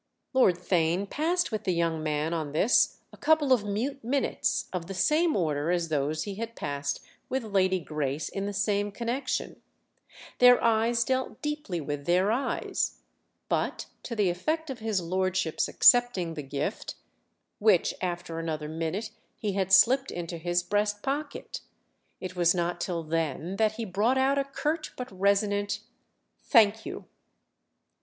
Lord Theign passed with the young man on this a couple of mute minutes of the same order as those he had passed with Lady Grace in the same connection; their eyes dealt deeply with their eyes—but to the effect of his lordship's accepting the gift, which after another minute he had slipped into his breast pocket. It was not till then that he brought out a curt but resonant "Thank you!"